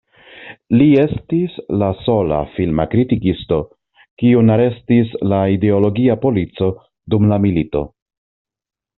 Li estis la sola filma kritikisto, kiun arestis la ideologia polico dum la milito.